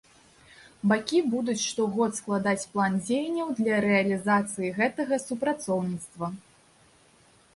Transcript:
Бакі будуць штогод складаць план дзеянняў для рэалізацыі гэтага супрацоўніцтва.